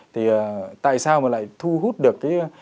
thì tại sao mà lại thu hút được cái